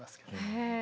へえ。